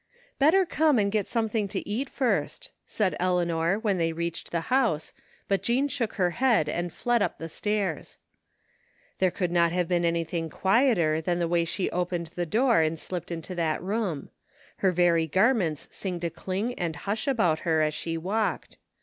" Better come and get some^ng to eat first," said Eleanor, when they reached the house, but Jean shook her head and fled up the stairs. There could not have been anything quieter than the way she opened the door and slipped into that room. Her very garments seemed to cling and hush about her as she walked.